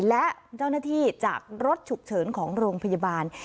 และเจ้าหน้าที่จากรถฉุกเฉินของโรงพยาบาล